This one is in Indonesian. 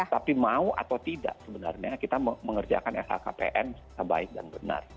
tapi mau atau tidak sebenarnya kita mengerjakan lhkpn secara baik dan benar